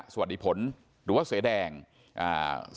ศวรดิภนศ์หรือว่าสวยแดงอ่า